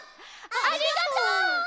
ありがとう！